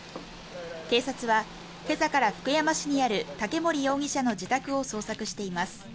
警察はけさから福山市にある竹森容疑者の自宅を捜索しています